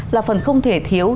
là phần không thể thiếu